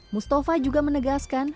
mustafa juga menegaskan